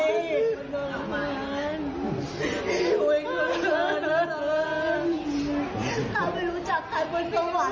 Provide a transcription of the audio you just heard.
อยู่บ้านตะวันดีแล้ว